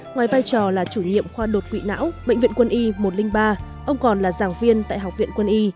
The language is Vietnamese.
ngoài vai trò là chủ nhiệm khoa đột quỵ não bệnh viện quân y một trăm linh ba ông còn là giảng viên tại học viện quân y